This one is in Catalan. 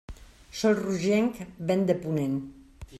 Sol rogenc, vent de ponent.